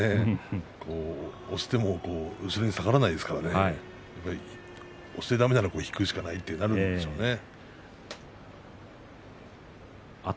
押しても後ろに下がらないですからね押してだめなら引くしかないということになったのかと思います。